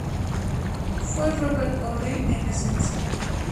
Fue Robert Horry en esencia.